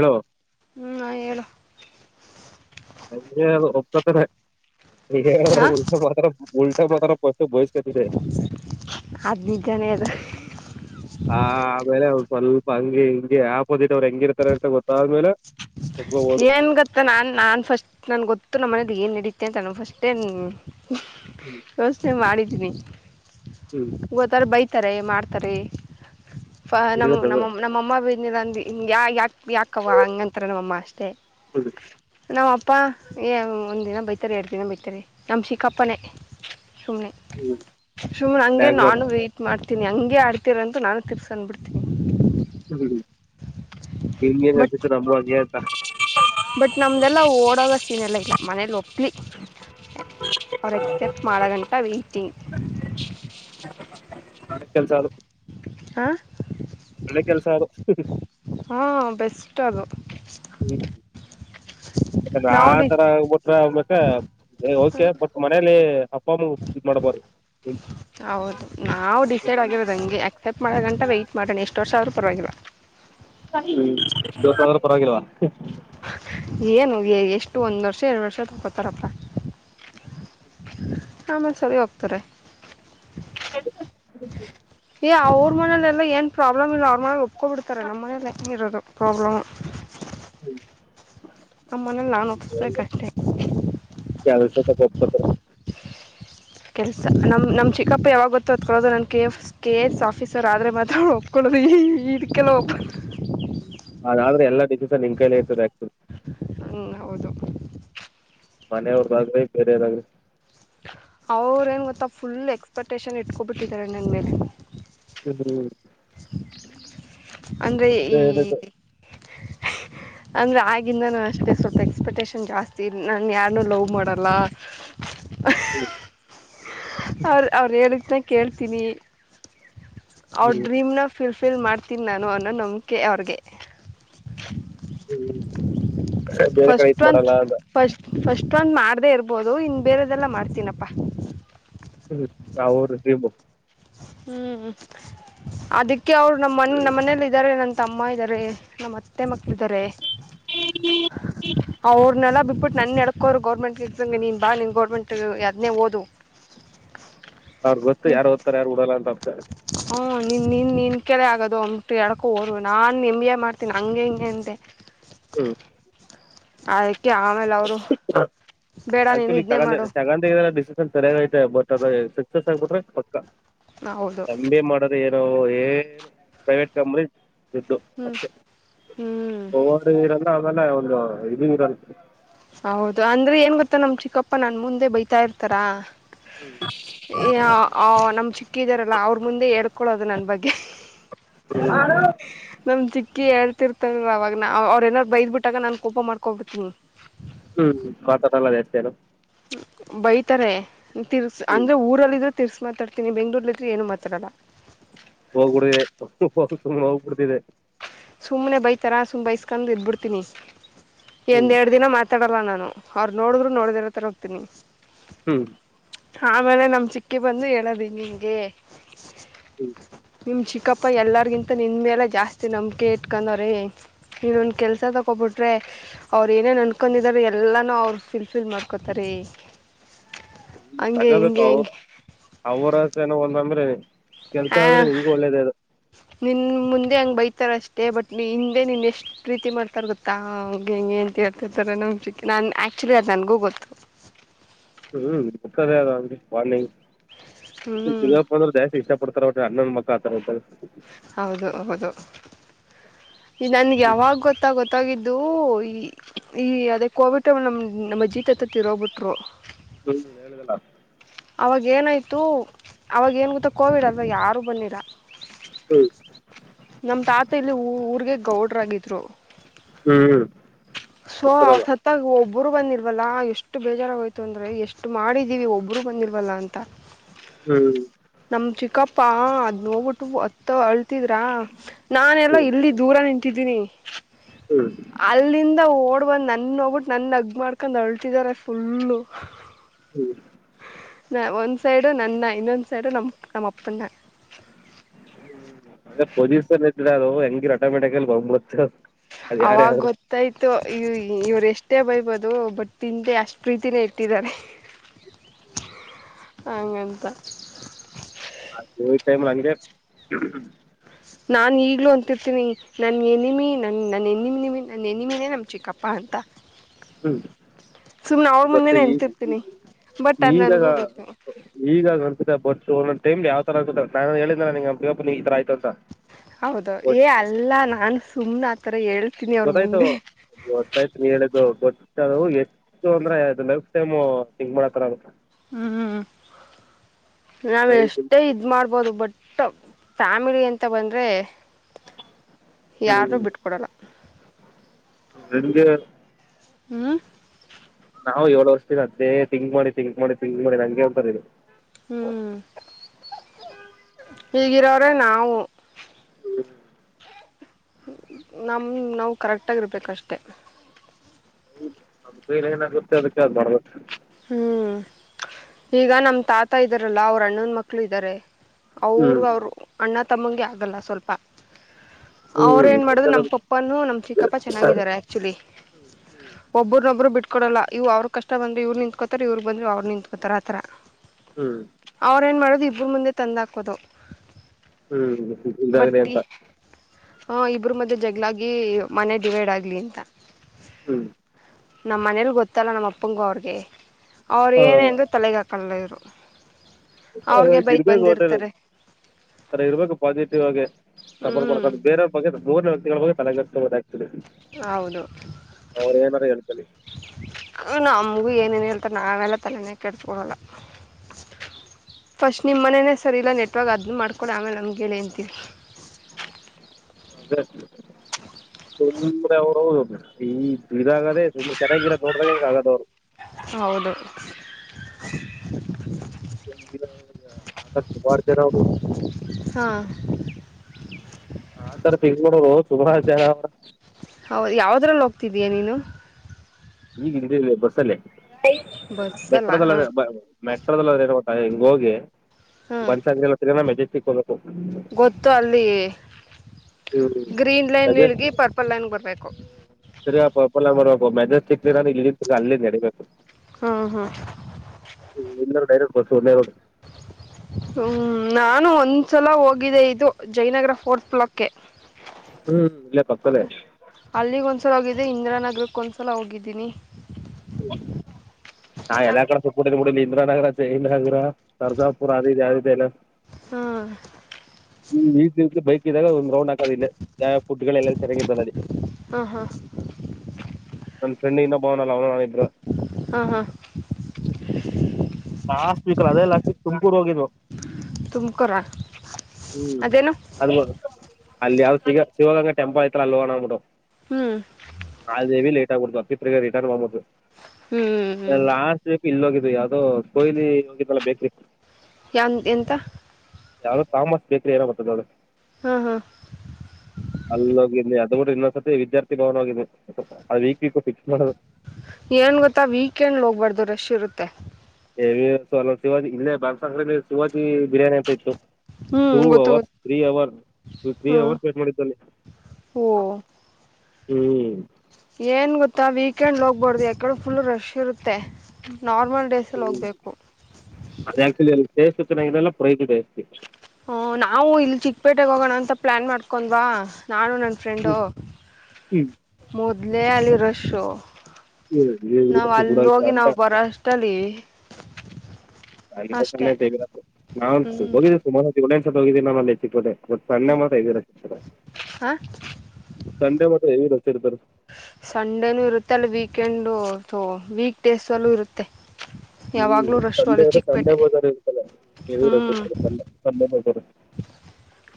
ಹೇಳು ಹ್ಮ ನ ಹೇಳಳು ಅ ಒಪ್ಪತರ ಈ ಹಾ ಪ್ರ [inaudible] ಆ ಆಮೇಲೆ ಅವರು ಸ್ವಲ್ಪ ಹಂಗಗೆ ಹಿಗೆ ಆಪೋಸಿಟ್ ಅವ್ರು ಹೆಂಗಿರ್ತಾರೆ ಅಂತ ಗೊತ್ತಾದ್ಮೇಲೆ ಒಪ್ಕೋಬೋದು ಏನ್ ಗೊತ್ತ ನಾನ್ ನಾನ್ ಫಸ್ಟ್ ನನ್ ಗೊತ್ತು ನಮ್ಮ ಮನೆ ಏನ್ ನಡೀಿತೆ ಅಂತಾನ ಫಸ್ಟೆ ಹ್ಮ್ ಯೋಚನೆ ಮಾಡಿ ಹ್ಮ್ [inaudible] ಹತ್ತಾರ ಬೈ ಇತಾರೆ ಮಾಡ್ತಾರೆ ನ್ ಇದ ನಮ್ಮ ನಮ್ಮ ಅಮ್ಮ ಇ ಯ ಯಾಕ ಯಾಕವ ಹಂಗ ನಾಮ್ಮ್ ಹ್ಮ್ ಅಪ್ಪ ಏ ಒಂದು ದಿನ ಬೈತಾರೆ ಎರಡು ದಿನ ಬೈತಾರೆ ನಮ್ಮ ಚಿಕಪ್ಪನೇ ಸುಮ್ನೆ ಸುಮ್ನೆ ಹಂಗೆ ಲ್ಯಾಗ್ ಮಾಡ ನಾನು ವೈ್ಟಟ್ ಮಾಡ್ತಿ ನಿ ಹಂಗೆ ಆಡ್ತಿೀರ ಅಂತ ನಾನು ತಿರ್ಸಕ್ಬಿಡ್ತೀನಿ ಹ್ಮ ನೀನಗ ಎನ್ ಬಟ್ ನ ಹಂತ ಬಟ್ ನಮ್ದಲ್ಲ ಓಡವ ಸೀನ್ ಎಲ್ಲ ಇಲ್ಲ ಮನೇಲಿ ಒಪ್ಲಿ ಅವ್ರ ಎಕ್ಸೆಪ್ಟ್ ಮಾಡ ಗಂಟ ವೇ್ಟಿಂಗ್ ಕೆಲ್ಸ ಆ ಹಾ ಒಳ್ಳೆ ಕೆಲ್ಸ ಅದು ಉಷ್ಟದ ಹ್ಮ್ ಹ್ಮ್ ಮ ಆ ನಾವು ಡಿ ತರಬಟ್ರ ಮತ್ತೆಕೆ ಬಟ್ಟ ಮನೆಲಿ [inaudible] ಹೌದು ನಾವು ಡಿಸೈಡ್ ಆಗಿರೋದಂಗೆ ಆಕ್ಸೆಪ್ಟ್ ಮಾಡ ಗಂಟ ವೈ್ಟಟ್ ಮಾಡೋಣ ಎಷ್ಟು ವರ್ಷ ಅವ್ರ ಪರ್ವಾಗಿಲ್ಲ ಹ್ಮ ಎಷ್ಟ್ರ ಪರವಾಗಿಲ್ವ ಏನು ಎಷ್ಟು ಒಂದ್ ವರ್ಷ ಎರಡ್ ವರ್ಷ ತಕೋತಾರಪ್ಪ ಆಮೇಲೆ ಸರಿ ಹೋಗ್ತಾರೆ [inaudible] ಏ ಅವ್ರ ಮನೇಲೆೆಲ್ಲ ಏನ್ ಪ್ರಾಬ್ಲಮ್ ಇಲ್ಲ ಅವ್ರ ಮನೇಲಿ ಒಪ್ಕೋ ಬಿಡ್ತಾರೆ ನಮ್ಮ ಮನೇಲ್ಲ ಇರೋದು ಪ್ರಾಬ್ಲಮ್ ಹ್ಮ್ ನಮ್ಮ ಮನೆಲಿ ನಾನ ವಪಸ್ ಬೇಕಷ್ಟೇ ಒಪ್ಪಕೂತಾರೆ ಕೆಲಸ ನಮ್ಮ ನಮ್ಮ ಚಿಕ್ಕಪ್ಪ ಯಾವಾಗ ಗೊತ್ತೋ ಅದ್ಕೊಳ್ಳೋದು ನನ್ನ K A K A S officer ಆದರೆ ಮಾತ್ರ ಒಪ್ಕೊಳ್ಳೋದು ಈ ಇದಕ್ಕೆಲ್ಲ ಒಪ್ಪದು ಅ ಆದ್ರೆ ಎಲ್ಲಾ ದಕ್ಕಸ ನಿನ್ ಕೈಲೆ ಇರ್ತದೆ ಆಕ್ಚುಲಿ ಹ್ಞೂ ಹೌದು ಮನೆಯವ್ರದಾಗ್ರಿ ಬೇರೆಯವ್ರಾಗ್ರಿ ಅವ್ರೇಏನು ಗೊತ್ತಾ ಫುಲ್ ಎಕ್ಸ್ಪೆಕ್ಟೇಷನ್ ಇಟ್ಕೊಬಿಟ್ಟಿದ್ದಾರೆ ನನ್ನ ಮೇಲೆ ಹ್ಞ ಅಂದ್ರೆ ಈ ಹೇಳಿದ್ದು ಅಂದರೆ ಆಗಿಂದ ನಾನು ಅಷ್ಟೇ ಸ್ವಲ್ಪ ಎಕ್ಸ್ಪೆಕ್ಟೇಷನ್ ಜಾಸ್ತಿ ನಾನು ಯಾರನ್ನೂ ಲವ್ ಮಾಡಲ್ಲ ಅವ್ರ ಅವ್್ರ ಹೇಳಿದ್ನ ಕೇಳ್ತೀನಿ ಅವ ಹ್ಮ್ ಡ್ರೀಮ್ ನ ಫಿಲ್ ಮಾಡ್ತೀನಿ ನಾನು ಅನ್ನೋ ನಂಬಿಕೆ ಅವ್ರಿಗೆ [unintelligible] ಅ ಬೇರೆ ಕಡೆ ಫಸ್ಟ್ ಇತ್ ಒನ್ ಮಾಡಲ್ಲ ಅಂತ ಫಸ್ಟ್ ಫಸ್ಟ್ ಒಂದ್ ಮಾಡ್ದೇ ಇರ್ಬೋದು ಇನ್ ಬೇರೆದೆಲ್ಲ ಮಾಡ್ತೀನಪ್ಪಾ ಹ್ಮ ನಾರುು ಹ್ಮ್ ಅದಕ್ಕೆ ಅ ಅವರು ನಮ್ಮ್ ನಮ್ಮ ಮನೇ ಇದಾರೆ ತಮ್ಮ ಇದ್ದಾರೆ ನಮ್ಮತ್ತೆ ಮಕ್ಕಳು ಇದಿದ್ದಾರೆ ಅವ್ರ ನೆಲ ಬಿಟ್ಟುಬಿಟ್ಟು ನನ್ನ ನಡಡ್ಕೋರು ಗೌರ್ಮೆಂಟ್ ಎಕ್ಸಂಗೆ ನೀನು ಬಾ ನೀನು ಗೌರ್ಮೆಂಟ್ ಅದನ್ನೇ ಓದು ಅವ್ರಗ್ ಗೊತ್ತು ಯಾರುತ್ತಾರ ಯಾರುಡಲ್ಲ ಅಂತ ಅರ್ಥ ಹ್ಮ ನಿನ್ ನಿನ್ ನಿನ್ ಕೆಳ ಆಗದು ಒಮಟು ಎಡಕು ಹೋರು ನಾನ್ ಎಮ್ ಬಿ ಎ ಮಾಡ್ತೀನಿ ಹಂಗೆ ಹಿಂಗೆ ಅಂತೆೆ [unintelligible] ಆಯ್ ನೀನು ಇದನ್ನೇ ಮಾಡು ಆಕ್ಚುಲಿಗಲ್ಲ ಡಿಸನ್ ಸರಿಯಾಗ ಐತೆ ಬಟ್ ಸಸ್ ಆಬಿ್ರ ಹೌದು ಎಿ ಮಾಡದ ಪ್ರೈವಟ್ ಕಂಪನ ಹ್ಮ್ ಹ್ಮ್ ಓವರ್ ಇರಲ್ಲ ಆಮೇಲೆ ಒಂದು ಇದರ ಹೌದು ಅಂದ್ರೆ ಏನ್ ಗೊತ್ತ ನಮ್ ಚಿಕ್ಕಪ್ಪ ನನ್ ಮುಂದೆ ಬೈತಾ ಇರ್ತಾರಾ ನಮ್ ಚಿಕ್ಕಿದಾರಲ್ಲ ಅವ್ರ ಮುಂದೆ ಹೇಡ್ಕೊೊಳ್ಳೋದು ನನ್ ಬಗ್ಗೆ ನಮ ಚಿ ಕಿೇತಿರ್ತಾರ ಅವವಾಗ ಅವ್ರ ಏನಾರರು ಬೈದ್ ಬಿಟ್ಟಾಗ ನಾನನ್ ಕೋಪ ಮಾಡ್ಕೋಬತನಿ ಹ್ಮ್ ಕತ ತಲ್ಲತನು ಬೈತಾರೆ ತಿರ್ಸ್ ಹ್ಮ್ ಅಂದ್ರೆ ಊರಲ್ಲಿಿದ್ರ ತಿರ್ಸಿ ಮಾತಾಡ್ತೀನಿ ಬೆಂಗಳೂರಲ್ಲಿ ಇದ್ರೆ ಏನು ಮಾತಾಡೋಲ್ಲ ಹೋಗ್ಬಡೂದೆ ಸುಮ್ನೆ ಹೋಗ್ಬಿಡ್ತಿದೆ ಸುಮ್ಮ್ನೆ ಬೈತಾರ ಸುಮ್ಮ್ ಬೈಸ್ಕಂಡ್ ಇದಬಿಡ್ತೀನಿ ಹ್ಮ್ ಎಂದೆರಡ್ ದಿನ ಮಾತಾಡಲ್ಲ ನಾನು ಅವ್ರ ನೋಡಿದ್ರು ನೋಡ್ದ ಇರತರ ಹೋಗ್ತೀನಿ ಹ್ಮ್ ಆಮೇಲೆ ನಮ್ ಚಿಕ್ಕಿ ಬಂದು ಹೇಳದ್ದು ಇಂಗಿಂಗೆ ನಿಮ್ ಚಿಕ್ಕಪ್ಪ್ ಅಪ್ಪ ಎಲ್ಲರಿಗಿಂತ ನಿನ್ ಮೇಲೆ ಜಾಸ್ತಿ ನಂಬ ಕೆ ಇಟ್ಕೊಂಡವ್ರೆ ನೀನೊಂದು ಕೆಲ್ಸ ತಗೋಬಿಟ್ರೆ ಅವ ಏನೇನ್ ಅನ್ಕೊಂಡಿದಿದ್ದಾರೆ ಎಲ್ಲಾನು ಅವರು ಫುಲ್ ಫಿಲ್ ಮಾಡ್ಕೋತಾರೆ ಹ್ಮ ತಗೋಬೇಕು ಅವ್ರ ಅವರ್ ಆಸೆ ನು ಒಂದೊಂದು ಹ ಕೆಲ್ಸ ಆ ಆದ್ರೆ ನಿಂಗು ಒಳ್ಳೇದೇ ಅದು ನಿನ್ ಮುಂದೆ ಹಂಗ್ ಬೈತಾರ ಅಷ್ಟೇ ಬಟ್ ಹಿಂದೆ ನೀನ್ ಎಷ್ಟ್ ಪ್ರೀತಿ ಮಾಡ್ತಾರ ಗೊತ್ತಾ ಅವ್ರ ಹೆಂಗೆ ಅಂತ ಹೇಳ್ತರ್ತಾರ ನ ನಾನನ್ ಆಕ್ಚುಲಿ ಅದು ನನ್ಗೂ ಗೊತ್ತು ಹ್ಮ್ ಮುಕ್ಕದ ಪಾನಿ ಹ್ಮ್ ಚಿಕ್ಕಪ್ಪ ಅಂದ್ರೆ ಜಾಸ್ತಿ ಇಷ್ಟ ಕೊಡ್ತಾರ್ರ ಅನ್ನನ್ ಮಕ್ಕ ಆತರ ಇದ್ದಾಗ ಹೌದ ಹೌದು ಈ ನನ್ಗೆ ಯಾವಾಗ ಗೊತ್ತಾ ಗೊತ್ತಾಗಿದ್ ಇದು ಈ ಈ ಅದೇ ಕೋವಿಡ್ ಟೈಮ್ ಅಲ್ಲೇ ನಮ ನಮ್ಮ ಅಜ್ಜಿ ತಾತ ತಿರೋಗ್ ಬಿಟ್ರು ಹ ಎಳದಲ್ಲಾ ಅವವಾಗೇನಾಯಿತು ಅವವಾಗೇಏನು ಗೊತ್ತಾ ಕೋವಿಡ್ ಅವಾಗ ಯಾರು ಬಂದಿಲ್ಲಾ ಹ್ಮ ನಮ್ ತಾತ ಇಲ್ಲಿ ಊರ್ಗೆ ಗೌಡ್ರಾಗಿದ್ರು ಹ್ಮ್ ಸೊ ಇರ್ತಾರಲ್ಲ ಸತ್ತಾಗ ಒಬ್ಬ ಒಬ್ಬರು ಬಂದಿಲ್ವಲ್ಲ ಎಷ್ಟು ಬೇಜಾರ ಹೋಯ್ತು ಅಂದ್ರೆ ಎಷ್ಟು ಮಾಡಿದೀವಿ ಒಬ್ಬರು ಬಂದಿರ್ವಲ್ಲ ಅಂತ ಹ್ಮ್ ನ ಚಿಕ್ಕಪ್ಪಾ ಅದ್ ನೋಡ್ ಬಿಟ್ಟು ಹತ್ತು ಅಲ್ ಅತ್ತಿದ್ರ ನಾನೆಲ್ಲೋ ಹ್ಮ್ ಇಲ್ಲಿ ದೂರ ನಿಂತ ತ್ತಿದ್ದೀನಿ ಹ್ಮ್ ಅಲ್ಲಿಂದ್ ಓಡ್ ಬಂದು ನನ್ ನೋಡ್ಬಿಟ್ಟು ನನ್ನ ಅಗ್ಗ್ ಮಾಡ್ಕೊಂಡ್ ಅಳ್ತಿದಿದ್ದಾರೆ ಫುಲ್ಲ ಹ್ಮ್ ನ ಒಂದ್ ಸೈಡು ನನ್ನ ಇನ್ನೊಂದ್ ಸೈಡು ನಮ್ಮ ನಮ್ಮ ಅಪ್ಪ್ನಾ ಪೊಲೀಸ್ ಅವರಿದ್ರು ಇದ್ರ ಅದು ಹೆಂಗಿ ಆಟೋಮ್ಯಾಟಿಕ್ ಅಲ್ಲಿ ಒಂದಬಿಡುತ್ತ ಅವಾಗ ಗೊತ್ತಾಯ್ತು ಇ ಇವ್ರ ಎಷ್ಟ ಎಷ್ಟೇ ಬಯಬೋದು ಬಟ್ ಹಿಂದೆ ಅಷ್ಟು ಪ್ರೀತಿಯೇ ಇಟ್ಟಿದ್ದಾರೆ ಹಂಗಂತ ಹ ಟೈಮ್ ಹಂಗಿದೆ ನಾನು ಈಗಲೂ ಅಂತಿರ್ತೀನಿ ನನ್ನ ಎನಿಮೆ ನನ್ನ ನನ್ನ ಹೆನಿಮೆಮ ನನ್ನ ಹೆನಿಮಿನೇ ನಮ್ಮ ಚಿಕ್ಕಪ್ಪ ಅಂತ ಹ್ಮ್ ಸುಮ್ನೆ ಅವ್ರ ಬಟ್ಟೆ ಮುಂದೆನೆ ಈ ಅಂತಿರ್ತೀನಿ ಬಟ್ ಅದು ಈಗಾಗ ನನಗೂ ಗೊತ್ತು ಈಗಂತ ಬಟ್ ಟಮ್ ಯಾವ ತರ ನಾನು ಹೇಳರ ಹೌದು ಏ ಅಲ್ಲ ನಾನು ಸುಮ್ನೆ ಆ ಥರ ಏಳ್ು ಗೊತ್ತಾಯ್ತು ಗೊತ್ತಾಯ್ತು ಹೇಳುದು ಗೊ ಅ ಎಷ್ಟು ಅಂದ್ರೆ ಅದು ಲೈಫ್ ಟೈಮ್ ಂಕ್ ಮಾಡತಾರ ಅಂತ ಹ್ಮ್ ನಾವ ಲೈಫ್ ಎಷ್ಟೇ ಇದ್ ಮಾಡ್ಬೋದು ಬಟ್ ಫ್ಯಾಮಿಲಿ ಅಂತ ಬಂದ್ರೆ ಯಾರೂ ಬಿಟ್ಕೊಡಲ್ಲ ನಿಜ ಹ್ಮ ನಾವು ಏಳು ವರ್ಷದಿನ ಅದೇ ತಿಿಂಕ್ ಮಾಡಿ ತಿಿಂಕ್ ಮಾಡಿ ತಿಿಂಕ್ ಮಾಡಿ ನಂಗೆ ಉಂಂತಾರದು ಹ್ಮಞ ಹೀಗಿರೋ್ರೆ ನಾವು ನಮ್ಮ ನಾವು ಕರೆಕ್ಟಾಗಿರ್ಬೇಕಷ್ಟೆ ಹೌ ಅದಲೆ ಏನಾಗುತ್ತೆ ಅದಕ್ಕೆ ಅ್ ಮಾಡ್ಬೇಕು ಹ್ಮ್ ಈಗ ನಮ ತಾತ ಇದಾರಲ್ಲ ಅವ್ರ ಅಣ್ಣಂದ ಮಕ್ಳು ಇದ್ದಾರೆ ಅವರು ಹ್ಮ್ ಅವರು ಅಣ್ಣ ತಮ್ಮಂಗೆ ಆಗಲ್ಲ ಸ್ವಲ್ಪ ಅವ್ರ ಹ್ಮ್ ಏನ್ ಮಾಡುದು ನಮ ಹ್ಮ್ ಪಪ್ಪನು ನಮ್ ಚಿಕ್ಕಪ್ಪ ಚೆನ್ನಾಗಿದ್ದಾರೆ ಆಕ್ಚುಲಿ ಒಬ್ಬ್ರನೊಬ್ರು ಬಿಟ್ಟ ಕೊಡಲ್ಲ ಇವು ಅವ್ರ ಕಷ್ಟ ಬಂದು ಇ್ರು ನಿಂತ ಕೋತ ಇವ್ ಬಂದ್ರು ಅವ್ರು ನಿಂತ್ಕೋತಾರ ಆತರ ಹ್ಮ್ ಅವ್ರ ಏನ್ ಮಾಡದ ಒಬ್ಬರು ಮುಂದೆ ತಂದುಾಕೋದು ಹ್ಮ್ ಇಲ್ದಾಗೆ ಅಂತ ಹಾ ಇಬ್ರು ಮಧ್ಯೆ ಜಗ್ಗಳಾಗಿ ಮನೆ ಡಿವೈಡ್ ಆಗಲಿ ಅಂತ ಹ್ಮ್ ನಮ್ಮ ಮನೇಲಿ ಗೊತ್ತಲ್ಲ ನಮ್ಮ ಅಪ್ಪಂಗೂ ಅವ್ರಿಗೆ ಅವ್ರ ಏನ ಅಂದ್ರ ತಲೆಗಾಕ ಪಲ್ಲೆಯರು ಇರ್ಬೇಕು ಹೋಟೆಲ್ರ ಇರ್ಬೇಕು ಪಾಸಿಟಿವ್ ಆಗೆ ಸಬರ್ ಹ್ಮ್ ಮಾಡ್ಕದು ಬೇರೆ ಬಗೆ ಲಬದ ಹೌದು ಅವ್ರು ಏನಾರ ಹೇಳ್ಕೊಳ್ಳಿ ನ ಗು ಏನೇನು ಹೇಳ್ತಾರೆಾನ ಆಮೇಲ್ಲ ತಲೆನೇ ಕೆಡಸಕೊಡಲ್ಲ ಫಸ್ಟ್ ನಿಮ್ಮ ಮನೇೇ ಸರಿ ಇಲ್ಲ ನೆಟ್ವರ್ಕ್ ಅದನ್ನ ಮಾಡ್ಿಕೊಡಿ ಆಮೇಲೆ ನಮ್ಗೆ ಹೇಳೇಂತೀವಿ ಅ ತುಂಬ್ರ ಅವರು ಇದಾಗದೆೇ ತುಂಬ ಚೆನ್ನಾಗಿರ ದೋಡ್ದ ಆಗದ ಅವ್ರು ಹೌದು ಹಾ ಸುಮಾರತರಬೇಕ ಹಾಂ ಆ ತರ ತಿಗ ನೋಡ ಹೌದು ಯಾವದ್ರಲ್ಲಿ ಹೋಗ್ತವಿ ಬಿರಿಯಾನಿನ ಈಗ ಬಸ್ಸಲ್ಲೇ ಬಸ್ಸಲ್ಲ ಎಟ್ಟ್ರದಲ್ಲ ಹ್ಞೂ ಮೆಟ್ರೋದಲ್ಲಿಟ್ಟ ಹಿಂಗ ಹೋಗಿ ಬನ್ಸಲ್ಲತ್ತ ನ ಮ ಸಿ ಗೊತ್ತು ಅಲ್ಲಿ ಗ್ರೀನ್ ಲೈನ್ ಹಿಡ್ಗಿ ಪರ್ಪಲ್ ಲೈನ್ ಬರ್ಬೇಕು ಸರಿ ಪಪ್ಪಲ್ಲ ಮೆಜೆಸ್ಿಕ್ ಇ ಅಲ್ಲಿ ನಡೀಬೇಕು ಹ್ಮಞ ಹಾಂ ಒ ಸೂರೋಡ್ ಹ್ಮ್ ನಾನು ಒಂದ್ಸಲ ಹೋಗಿದ್ದೆ ಇದು ಜಯನಗರ ಫೋರ್ತ್ ಬ್ಲಾಕ್ಗೆ ಹ್ಮ್ ಇಲ್ಲ ಪತಲ್ಲ ಸಲ ಹೋಗಿದ್ದ ಇಂದಿ್ರ ನಗರಕ್ಕ ಒಂದ್ಸಲ ಹೋಗಿದ್ದೀನಿ ನಾ ಎಲ್ಲ ಕಡೆ ಸ ಕಡ ಬಿಡಿಲ್ಲಿ ಇಂದ್ರಾನಗರ ಚ ಇಂದ್ರನಗರ ಸರ್ಜಾಪುರ ಅ ಯಾವ ಎಲ್ಲ ಹ್ಮ ಈ ಈ ಬೈಕ್ ಇದಾಗ ಒ ೊಂಡಕದಿಲ್ಲ ುಡ್ಗಳ ಎಲ್ಲ ಚೆರಗೆಿತ್ತಲ್ಲಿ ಹಾಂ ಹಾಂ ನನ್ ಫೆಂಡ್ ಅವಿದರು ಹಾಂ ಹಾಂ ನಾಸ್ಟ್ ಬಿಕಲಲ್ಲ ಅದೆಲ್ಲಾ ತು ಕ ಹೋಗಿದ್ರು ತುಮಕೊರ ಅದೇನು ಅದು ಅಲ್ಲಿ ಯ್ದ ಸಿಗ ಶಿವಗ ೆಂಪಲ್ಐತ ಅಲ್ ಹೋಣ್ ಬಿಿು ಹ್ಮ್ ಹದವಿ ಲೇ ಅ ಚಿತ್ ರಿಟರ್ನ್ ಮಾಡಬೋುದು ಹ್ಮ್ ಹ್ಮ್ ಇಲ್ಲೋಗಿದಿದ್ದು ಯಾವವುದೋ ಕೊಹ್ಲಿ ಹೋಗಿದ್ದಲ್ಲ ಬೇಕ್ರ ಎನ್ ಎಂತ ಯಾವ್ದೋ ತಾಮಸ್ ಬೇಕ್ರಿಏಾರೋ ಮತ್ತ ನೋ ಹಾ ಹಾ ಅಲ್ಲಗೆಲ್ಲಿ ಅ ಬಿಟ್ಟ ಇನ್ನೊಂದ್ರ್ತಿ ವಿದ್ಯಾರ್ಥಿ ಭವನ ಆ್ [unintelligible] ವೀಕ್ ಫಿಕ್ಸ್ ಮಾಡದು ಏನ್ ಗೊತ್ತಾ ವೀಕೆಂಡ್ ಹೋಗ್ಬಾರ್ದು ರಶ್ ಇರುತ್ತೆ [unintelligible] ಇಲ್ಲೇ ಬರ್ಸಾಕ್ರ [unintelligible] ಬಿರಿಯಾನಿ ಅಂತ ಇತ್ತು ಟೂ ಹ್ಮ್ ಗೊತ್ತು ಅವರ್ಸ್ ಗೊತ್ತು ತ್ರೀ ಅವರ್ ತ್ರಿ ಹ್ಮ್ ಅವರ್ಸ್ ವೇಟ್ ಮಾಡಿದ್ದ ಅಲ್ಲಿ ಓ ಹ್ಮ್ ಏನ್ ಗೊತ್ತಾ ವೀಕೆಂಡ್ ಹೋಗ್ಬಾರ್ದು ಯಾಕೆಳು ಫುಲ್ ರಶ್ ಇರುತ್ತೆ ನಾರ್ಮಲ್ ಡೇ ಸ್ಸಲ್ಲಿ ಹ್ಞೂ ಹೋಗ್ಬೇಕು ಟೆಸ್ಟ್ ಚೆನ್ನಾಗಿಲ್ಲ ಪ್ರೈಸ್ ಜಾಸ್ತಿ ಹ ನಾವು ಇಲ್ಲಿ ಚಿಕ್ಕಪೇಟೆೆಗೆ ಹೋಗೋಣ ಅಂತ ಪ್ಲಾನ್ ಮಾಡ್ಕೊಂಡ್ವಾ ನಾನು ನನ್ನ ಫ್ರೆಂಡು ಹ್ಞೂ ಮೂದ ಮೊದ್ಲೇ ಅಲ್ಲಿ ರಷು. ನಾವ್ ಹ್ಞೂ ಅಲ್ ಬಿಡಲ್ಲ ಹೋಗಿ ಅಂತ ನಾವ್ ಬರೋ ಅಷ್ಟಲ್ಲಿ. ಅಷ್ಟೆ [unintelligible] ನಾನ್ ಹ್ಮ್ ಹೋಗಿದ್ದೆ ಸುಮಾರ್ ಹೋತು. ಒಡೆನ್ ಸತೋಗಿದ್ದೆ ನನ್ ಎತ್ತಿದ್ ವಡೆ. ಇವತ್ ಸಂಡೆ [unintelligible] ಹ ಸಂಡೇ ಮಾತ್ರ ಹೆವಿ ರಶ್ ಇರ್ತರೆ. ಡು ತು ವೀಕ್ ಡೇಸ್ ಅಲ್ಲೂ ಇರುತ್ತೆ. ಅಲ್ಲಿ ಯಾವಾಗಲೂ ರಶ್ಶು ಸಂಡೆ ಅಲ್ಲಿ ಅದ್ರೆ ಸಂಡೆ ಚಿಕ್ಕಪೇಟೆ ಹೋದಾರ ಇರ್ತದೆ ಹೆವಿ ಹ್ಞೂ ರಶ್ ಇರ್ತದೆ ಸಂಡೆ ಸಂಡೆದ್. [unintelligible]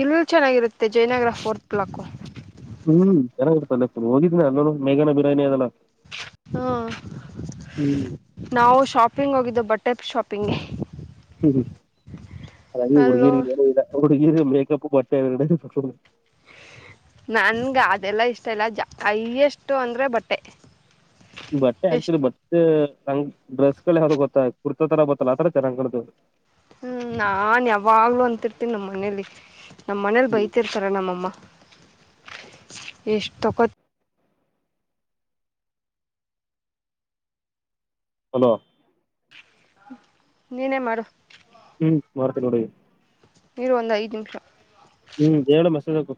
ಇಲ್ಲು ಚೆನ್ನಾಗಿರುತ್ತೆ ಜಯ್ನಗ್ರ ಫೋರ್ತ್ ಬ್ಲಾಕು. ಹ್ಮ್ ಚೆನ್ನಾಗಿರ್ತಲ್ಲ ಹೋಗಿದಿನ ಅಲ್ಲಿನು ಮೇಘನಾ ಬಿರಿಯಾನಿ ಅದೆಲ್ಲ. ಹ್ಮ ಹ್ಮ್ ನಾವು ಶಾಪಿಂಗ್ ಹೋಗಿದ್ದು ಬಟ್ ಟೆಪ್ ಶಾಪಿಂಗ್ಗೆ. ಹ್ಮ್ ಹ್ಮ್ [unintelligible] ಅಲ್ಲೋ ಹುಡ್ಗಿರ್ ಇರೋದೆ ಇಲ್ಲ. ಹುಡ್ಗಿರಿ ಮೇಕಪ್ಪು ಬಟ್ಟೆ ಅವ್ ಎರಡೇ ತಗಳೋದು. ನನ್ಗ ಅದೆಲ್ಲ ಇಷ್ಟ ಇಲ್ಲ ಜ ಹೈಯೆಸ್ತು ಅಂದ್ರೆ ಬಟ್ಟೆ. ಬಟ್ಟೆ ಎಷ್ಟು ಆಕ್ಚುಲಿ ಬಟ್ಟೆ. ತ್ ಡ್ರೆಸ್ಗಳ [unintelligible] ಗೊತ್ತ ಕುರ್ತಾ ತರ ಗೊತ್ತಲ್ಲ ಆ ತರ ಚೆನಾಗ್ ಕಾಣುತ್ತೆ ಹ್ಮ್ ನಾನ್ ಯಾವಾಗ್ಲುೂ ಅಂತಿರ್ತೀನಿ ನಮ್ಮ ಮನೇಲಿ ನಮ್ಮ ಮನೇಲಿ ಬೈತಿರ್ತಾರೆ ನಮ್ಮಮ್ಮ ಎಷ್ಟಕತ್ ಹಲೋ ನೀನೇ ಮಾಡು ಹ್ಮ್ [unintelligible] ಮಾಡ್ತೀನಿ ನೋಡ್ ಈಗ ಇರು ಒಂದ್ ಐದ್ ನಿಮಿಷ ಹ್ಮ್ ಹೇಳು ಮೆಸೇಜ್ ಹಾಕು